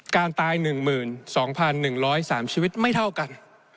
การตาย๑หมื่น๒พัน๑ร้อย๓ชีวิตไม่เท่ากัน